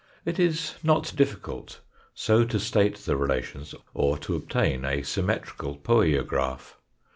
It is not difficult so to state the relations or to obtain a symmetrical poiograph.